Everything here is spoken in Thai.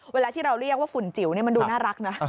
เวลาที่เราเรียกว่าฝุ่นจิ๋วมันดูน่ารักนะ